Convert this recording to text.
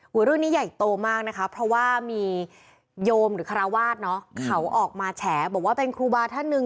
เรื่องนี้ใหญ่โตมากนะคะเพราะว่ามีโยมหรือคาราวาสเนอะเขาออกมาแฉบอกว่าเป็นครูบาท่านหนึ่ง